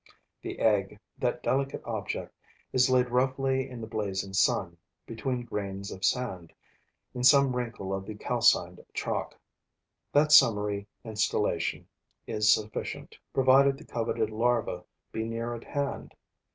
The egg, that delicate object, is laid roughly in the blazing sun, between grains of sand, in some wrinkle of the calcined chalk. That summary installation is sufficient, provided the coveted larva be near at hand.